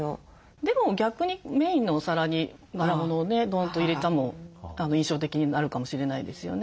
でも逆にメインのお皿に柄物をねドンと入れても印象的になるかもしれないですよね。